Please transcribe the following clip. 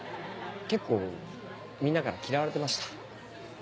結構みんなから嫌われてました。